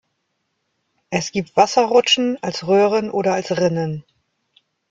Es gibt Wasserrutschen als Röhren oder als Rinnen.